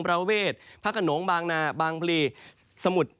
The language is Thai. ประเวทพระกระโหนงบางนาบางพลีสมุทร